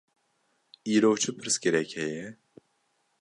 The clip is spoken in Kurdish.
Îro çi pirsgirêk heye?